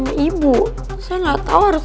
yang di depan saya sekarang mau ke pangeran